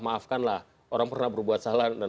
maafkan lah orang pernah berbuat salah